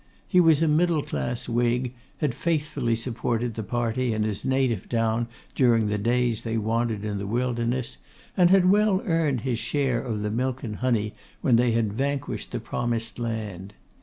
He was a middle class Whig, had faithfully supported that party in his native town during the days they wandered in the wilderness, and had well earned his share of the milk and honey when they had vanquished the promised land.